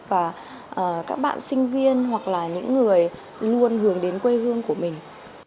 và các bạn sinh viên hoặc là những người luôn hướng đến quê hương của mình